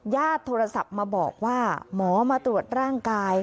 ญาติโทรศัพท์มาบอกว่าหมอมาตรวจร่างกาย